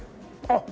あっ！